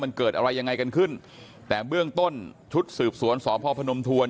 มันเกิดอะไรยังไงกันขึ้นแต่เบื้องต้นชุดสืบสวนสพพนมทวน